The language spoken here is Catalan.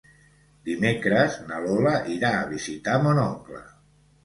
Dimecres na Lola irà a visitar mon oncle.